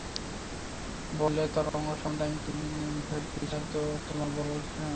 বললে, তোরঙ্গ সম্বন্ধে আমি-তুমির ভেদবিচার তো তোমার বড়ো সূক্ষ্ম হে অমূল্য!